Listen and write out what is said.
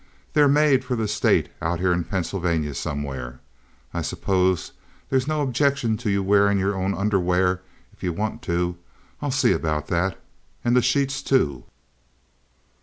"They're made for the State out here in Pennsylvania somewhere. I suppose there's no objection to your wearing your own underwear if you want to. I'll see about that. And the sheets, too.